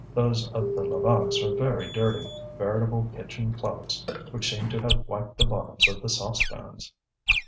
Those of the Levaques were very dirty, veritable kitchen clouts, which seemed to have wiped the bottoms of the saucepans.